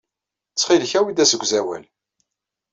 Ttxil-k awi-d asegzawal.